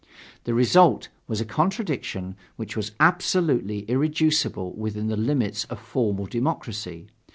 The result was a contradiction which was absolutely irreducible within the limits of formal democracy.